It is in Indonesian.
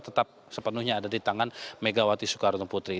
tetap sepenuhnya ada di tangan megawati soekarnopuntri